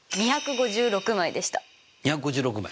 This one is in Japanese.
２５６枚。